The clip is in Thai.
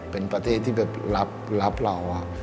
เป็นประเทศที่แบบรับเรา